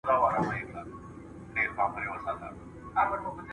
هلمند باید د بیارغونې په چارو کي لومړیتوب ولري.